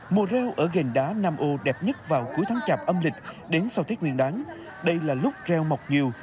mùa rêu ở ghiền đá nam âu đẹp nhất vào cuối tháng chạm âm lịch đến sau thết nguyên đáng đây là lúc rêu mọc nhiều